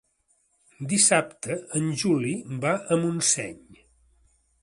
Dissabte en Juli va a Montseny.